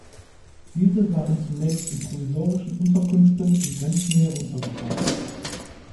Diese waren zunächst in provisorischen Unterkünften in Grenznähe untergebracht.